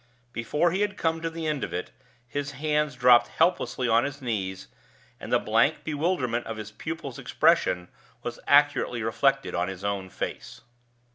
Before he had come to the end of it, his hands dropped helplessly on his knees, and the blank bewilderment of his pupil's expression was accurately reflected on his own face.